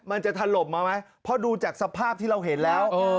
มันจะถล่มมาไหมเพราะดูจากสภาพที่เราเห็นแล้ว